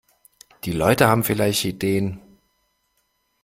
Die Leute haben vielleicht Ideen!